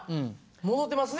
戻ってますね！